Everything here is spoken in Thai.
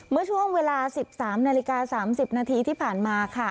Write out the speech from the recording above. เมื่อช่วงเวลาสิบสามนาฬิกาสามสิบนาทีที่ผ่านมาค่ะ